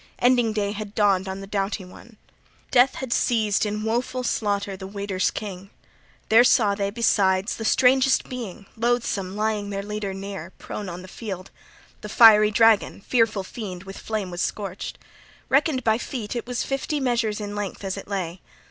Ending day had dawned on the doughty one; death had seized in woful slaughter the Weders' king. There saw they, besides, the strangest being, loathsome, lying their leader near, prone on the field. The fiery dragon, fearful fiend, with flame was scorched. Reckoned by feet, it was fifty measures in length as it lay.